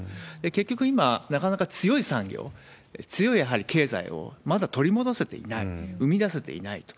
結局、今、なかなか強い産業、強い、やはり経済をまだ取り戻せていない、生み出せていないと。